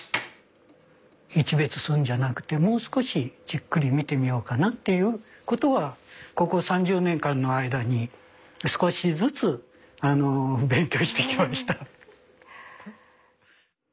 いちべつするんじゃなくてもう少しじっくり見てみようかなっていうことはここ３０年間の間に少しずつ勉強してきました。